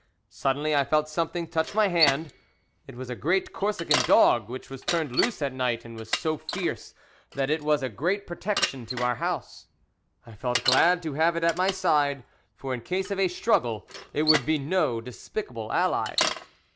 Suddenly I felt something touch my hand; it was a great Corsican dog, which was turned loose at night, and was so fierce that it was a great protection to our house. I felt glad to have it at my side, for in case of a struggle it would be no despicable ally.